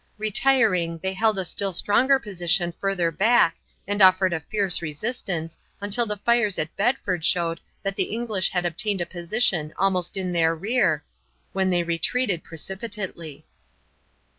Retiring, they held a still stronger position further back and offered a fierce resistance until the fires at Bedford showed that the English had obtained a position almost in their rear, when they retreated precipitately.